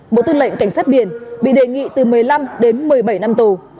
bộ tư lệnh cảnh sát biển bị đề nghị từ một mươi năm đến một mươi bảy năm tù